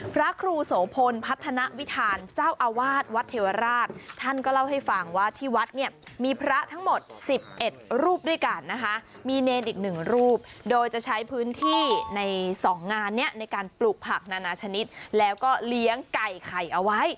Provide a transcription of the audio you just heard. พระครูโสพลพัฒนาวิทานเจ้าอาวาสวัดเทวราชท่านก็เล่าให้ฟังว่าที่วัดเนี่ยมีพระทั้งหมด๑๑รูปด้วยกันนะคะมีเนรอีกหนึ่งรูปโดยจะใช้พื้นที่ในสองงานเนี้ยในการปลูกผักนานาชนิดแล้วก็เลี้ยงไก่ไข่เอาไว้